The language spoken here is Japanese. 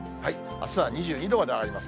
あすは２２度まで上がります。